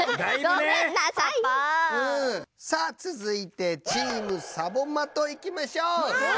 さあつづいてチームサボマトいきましょう！